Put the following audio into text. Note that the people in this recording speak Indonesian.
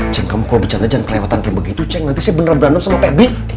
ceng kamu kok bercanda jangan kelewatan kayak begitu ceng nanti saya beneran berantem sama febri